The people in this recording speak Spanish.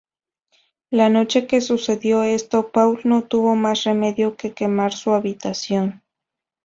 La noche que sucedió esto Paul no tuvo más remedio que quemar su habitación.